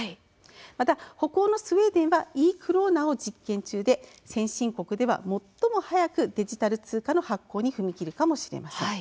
また、北欧のスウェーデンはｅ−クローナを実験中で先進国では最も早くデジタル通貨の発行に踏み切るかもしれません。